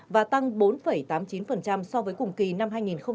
và tăng bốn tám mươi chín so với cùng kỳ năm hai nghìn hai mươi hai